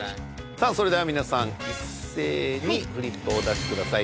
さあそれでは皆さん一斉にフリップお出しください